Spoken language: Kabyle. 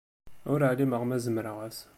Ur ɛlimeɣ ma zemreɣ-as.